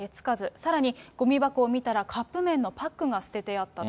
さらに、ごみ箱を見たらカップ麺のパックが捨ててあったと。